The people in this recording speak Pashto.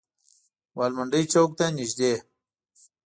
ګوالمنډۍ چوک ته نزدې.